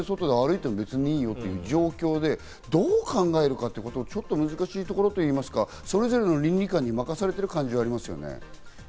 花見で外を歩いてもいいよという状況で、どう考えるかということ、ちょっと難しいところというか、それぞれの倫理感に任されている感じがありますね。